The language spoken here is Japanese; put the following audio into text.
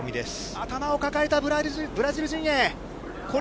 頭を抱えたブラジル陣営。